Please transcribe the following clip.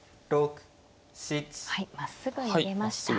はいまっすぐ逃げました。